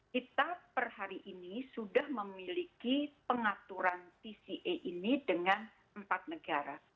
kita per hari ini sudah memiliki pengaturan tca ini dengan empat negara